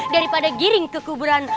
daripada giring kekuburan